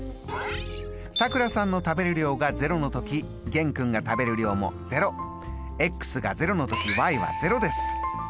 さくらさんの食べる量が０の時玄君が食べる量も０。が０の時は０です。